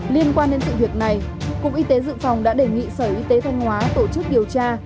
liên quan đến sự việc này cục y tế dự phòng đã đề nghị sở y tế thanh hóa tổ chức điều tra